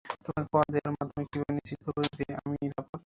তোমাকে কর দেয়ার মাধ্যমেই কীভাবে নিশ্চিত করবো যে আমি নিরাপদ?